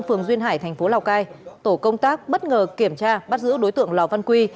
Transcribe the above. phường duyên hải thành phố lào cai tổ công tác bất ngờ kiểm tra bắt giữ đối tượng lò văn quy